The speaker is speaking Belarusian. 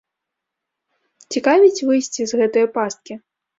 Цікавіць выйсце з гэтае пасткі?